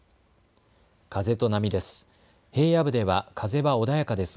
風と波です。